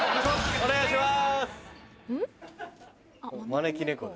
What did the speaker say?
お願いします。